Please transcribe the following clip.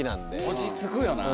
落ち着くよな。